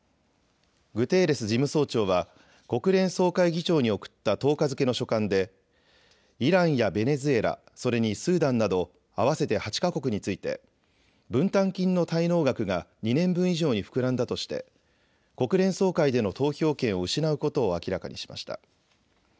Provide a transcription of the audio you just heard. グテーレス事務総長は国連総会議長に送った１０日付けの書簡でイランやベネズエラ、それにスーダンなど合わせて８か国について分担金の滞納額が２年分以上に膨らんだとして国連総会での投票権を失うことを明らかにしました。